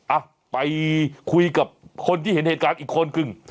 อ่ะไปคุยกับคนที่เห็นเหตุการณ์อีกคนนึง